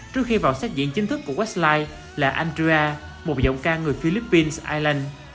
trước khi vào xét diễn chính thức của westlife là andrea một giọng ca người philippines island